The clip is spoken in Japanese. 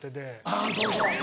あぁそうそう。